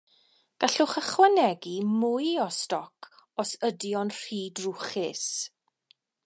Gallwch ychwanegu mwy o stoc os ydy o'n rhy drwchus.